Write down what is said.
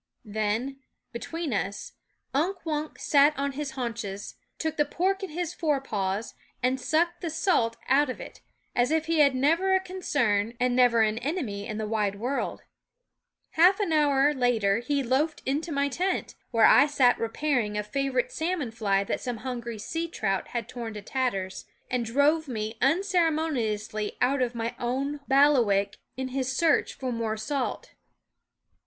Then, between us, Unk Wunk sat up on his haunches, took the pork in his fore paws, and sucked the salt out of it, as if he had never a concern and never an enemy in the wide world: A half hour later he loafed into my tent, where I sat repair ing a favorite salmon fly that some hungry sea trout had torn to tatters, and drove me unceremoniously out of my own bailiwick in his search for more salt.